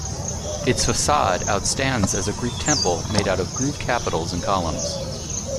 Its facade outstands as a Greek Temple made out of groove capitals and columns.